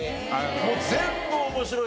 もう全部面白い。